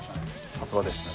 さすがですね。